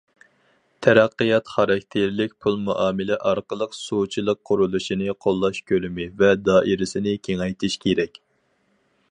تەرەققىيات خاراكتېرلىك پۇل مۇئامىلە ئارقىلىق سۇچىلىق قۇرۇلۇشىنى قوللاش كۆلىمى ۋە دائىرىسىنى كېڭەيتىش كېرەك.